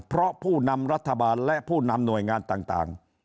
เพราะผู้นำรัฐบาลและผู้นำหน่วยงานต่าง